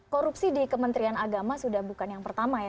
korupsi di kementrian agama sudah bukan yang pertama